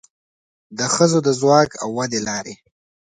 د ښځو د ځواک او ودې لارې